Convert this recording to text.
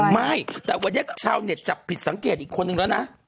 ไม่แต่วันนี้ชาวเน็ตจับผิดสังเกตอีกคนนึงแล้วนะ